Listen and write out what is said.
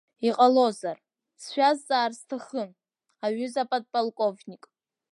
Иҟалозар, сшәазҵаар сҭахын, аҩыза аподполковник!